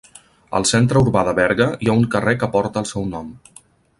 Al centre urbà de Berga hi ha un carrer que porta el seu nom.